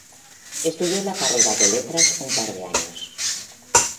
Estudió la carrera de Letras un par de años.